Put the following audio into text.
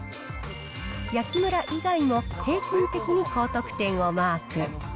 焼きむら以外も平均的に高得点をマーク。